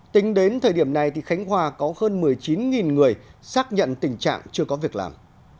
tính đến thời điểm này khánh hòa có hơn một mươi chín người xác nhận tình trạng chưa có việc làm